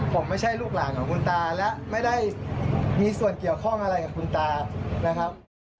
ผมไม่ใช่ลูกหลานของคุณตาและไม่ได้มีส่วนเกี่ยวข้องอะไรกับคุณตานะครับ